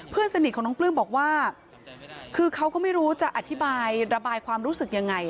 เพื่อนสนิทของน้องปลื้มบอกว่าคือเขาก็ไม่รู้จะอธิบายระบายความรู้สึกยังไง